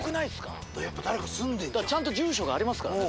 だからちゃんと住所がありますからね。